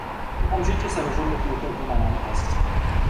Okamžitě se rozhodl k útoku na Nantes.